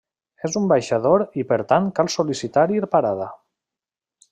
És un baixador i per tant cal sol·licitar-hi parada.